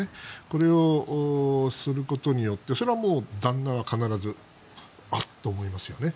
これをすることによってそれはもう、旦那は必ずあっ！と思いますよね。